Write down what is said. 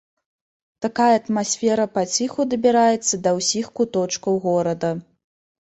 Такая атмасфера паціху дабіраецца да ўсіх куточкаў горада.